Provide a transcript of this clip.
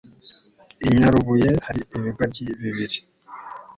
i nyarubuye hari ibigoryi bibiri